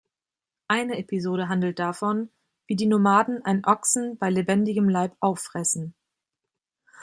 Eine Episode handelt davon, wie die Nomaden einen Ochsen bei lebendigem Leib auffressen.